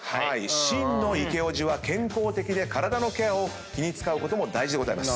真のイケおじは健康的で体のケアに気を使うことも大事でございます。